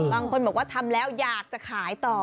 บางคนบอกว่าทำแล้วอยากจะขายต่อ